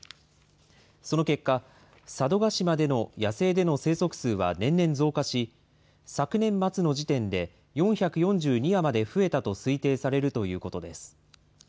その結果、佐渡島での野生での生息数は年々増加し、昨年末の時点で４４２羽まで増えたと推定されるということです。